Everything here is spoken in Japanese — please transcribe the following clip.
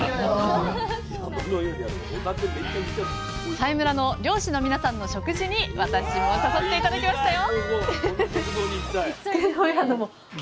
佐井村の漁師の皆さんの食事に私も誘って頂きましたよ！